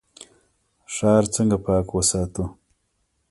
ښار څنګه پاک وساتو؟